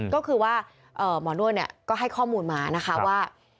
ก็คือว่าหมอนวดก็ให้ข้อมูลมานะคะว่า